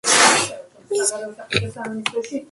მის განვითარებას იწვევს ინფექციები და ტოქსინები.